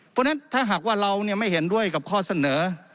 เพราะฉะนั้นถ้าหากว่าเราไม่เห็นด้วยกับข้อเสนอ